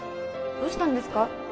どうしたんですか？